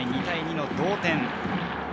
２対２の同点。